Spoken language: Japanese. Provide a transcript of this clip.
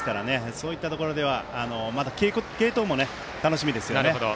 そういったところではまた継投も楽しみですね。